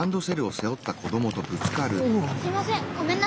すいません。